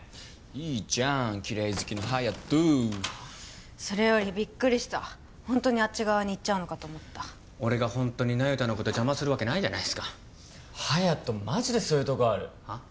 いいじゃんキレイ好きの隼人それよりびっくりしたホントにあっち側に行っちゃうのかと思った俺がホントに那由他のこと邪魔するわけないじゃないすか隼人マジでそういうとこあるはっ？